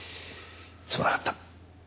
すまなかった。